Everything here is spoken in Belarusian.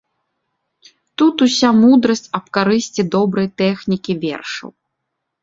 Тут уся мудрасць аб карысці добрай тэхнікі вершаў.